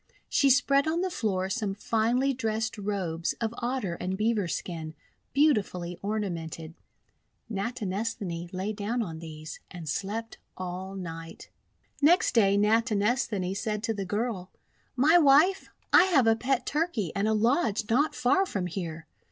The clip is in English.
She spread on the floor some finely dressed robes of Otter and Beaver skin, beautifully ornamented. Natinesthani lay down on these, and slept all night. Next day, Natinesthani said to the girl :— "My Wife, I have a pet Turkey and a lodge not far from here.